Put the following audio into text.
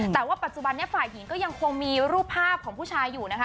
แต่ว่าปัจจุบันนี้ฝ่ายหญิงก็ยังคงมีรูปภาพของผู้ชายอยู่นะคะ